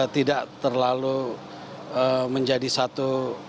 tidak terlalu menjadi satu